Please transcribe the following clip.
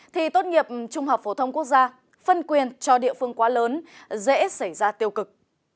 thì tốt nghiệp trung học phổ thông quốc gia phân quyền cho địa phương quá lớn dễ xảy ra tiêu cực